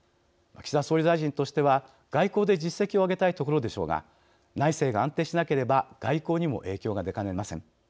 岸田総理大臣としては外交で実績を上げたいところでしょうが内政が安定しなければ外交にも影響が出かねません。